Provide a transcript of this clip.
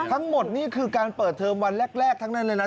นี่คือการเปิดเทอมวันแรกทั้งนั้นเลยนะ